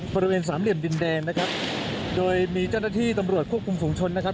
บริเวณสามเหลี่ยมดินแดงนะครับโดยมีเจ้าหน้าที่ตำรวจควบคุมฝุงชนนะครับ